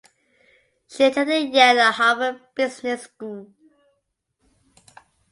She attended Yale and Harvard Business School.